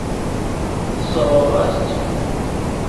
Sseṛɣeɣ-as-tt.